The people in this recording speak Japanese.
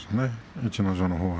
逸ノ城のほうは。